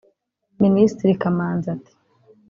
Minisitiri Kamanzi ati